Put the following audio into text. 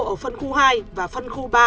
ở phân khu hai và phân khu ba